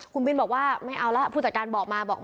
คุณบินบอกว่าไม่เอาแล้วผู้จัดการบอกมาบอก